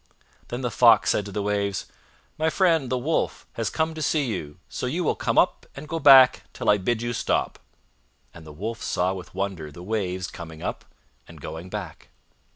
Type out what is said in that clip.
Then the Fox said to the waves, "My friend, the Wolf, has come to see you, so you will come up and go back till I bid you stop; and the Wolf saw with wonder the waves coming up and going back.